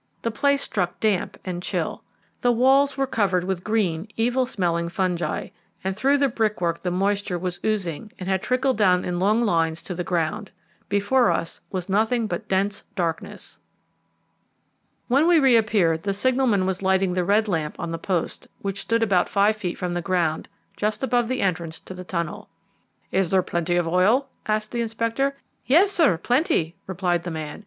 The place struck damp and chill. The walls were covered with green, evil smelling fungi, and through the brickwork the moisture was oozing and had trickled down in long lines to the ground. Before us was nothing but dense darkness. When we re appeared the signalman was lighting the red lamp on the post, which stood about five feet from the ground just above the entrance to the tunnel. "Is there plenty of oil?" asked the Inspector. "Yes, sir, plenty," replied the man.